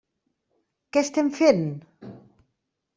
Què estem fent?